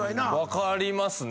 分かりますね。